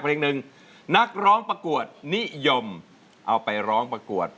เพลงหนึ่งนักร้องประกวดนิยมเอาไปร้องประกวด